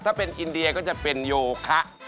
ถ้าเป็นอินเดียก็จะเป็นโยคะ